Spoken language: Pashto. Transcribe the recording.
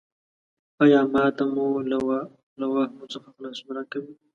ایا ما ته له واهمو څخه خلاصون راکوې؟